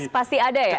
pasti ada ya